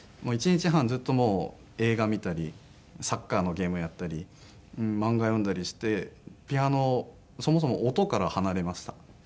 １日半ずっともう映画を見たりサッカーのゲームをやったり漫画を読んだりしてピアノをそもそも音から離れました。